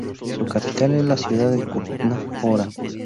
Su capital es la ciudad de Kutná Hora.